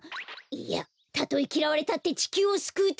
いやたとえきらわれたってちきゅうをすくうためだ！